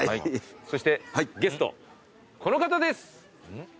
そしてゲストこの方です！